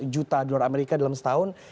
sembilan ratus juta dolar amerika dalam setahun